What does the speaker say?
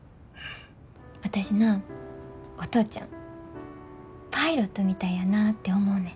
私なお父ちゃんパイロットみたいやなて思うねん。